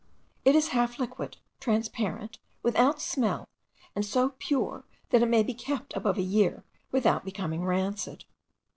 It is half liquid, transparent, without smell, and so pure that it may be kept above a year without becoming rancid.